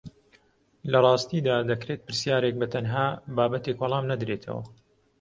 لە ڕاستیدا دەکرێت پرسیارێک بە تەنها بابەتێک وەڵام نەدرێتەوە